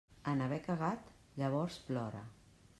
En haver cagat, llavors plora.